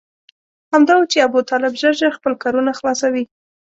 همدا و چې ابوطالب ژر ژر خپل کارونه خلاصوي.